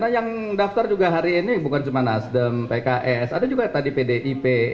yang daftar juga hari ini bukan cuma nasdem pks ada juga tadi pdip